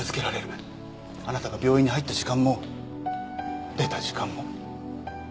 あなたが病院に入った時間も出た時間も。